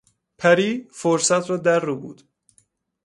پری فرصت را در ربود.